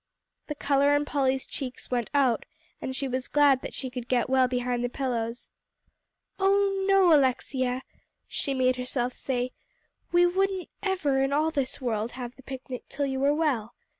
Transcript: The color in Polly's cheeks went out, and she was glad that she could get well behind the pillows. "Oh, no, Alexia," she made herself say, "we wouldn't ever in all this world have the picnic till you were well.